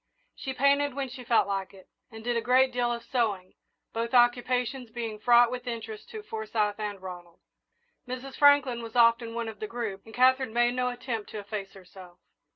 She painted when she felt like it, and did a great deal of sewing, both occupations being fraught with interest to Forsyth and Ronald. Mrs. Franklin was often one of the group, and Katherine made no attempt to efface herself.